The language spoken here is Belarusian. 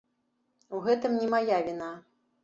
У гэтым не мая віна.